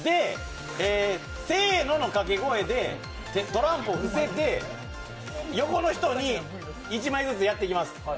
「せーの」のかけ声でトランプを伏せて横の人に１枚ずつ、やっていきます。